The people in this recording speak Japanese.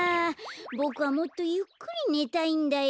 ボクはもっとゆっくりねたいんだよ。